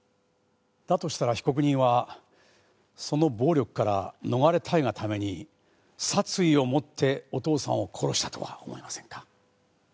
だとしたら被告人はその暴力から逃れたいがために殺意を持ってお父さんを殺したとは思いませんか？